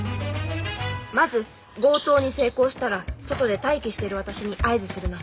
まず強盗に成功したら外で待機してる私に合図するの。